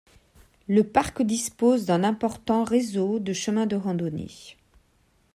Le parc dispose d'un important réseau de chemins de randonnées.